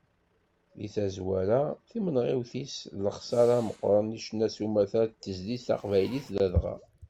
Di tazwara, timenɣiwt-is d lexsaṛa meqqren i ccna s umata d tezlit taqbaylit ladɣa.